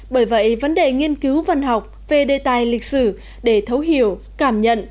bởi vậy vấn đề nghiên cứu văn học về đề tài lịch sử để thấu hiểu cảm nhận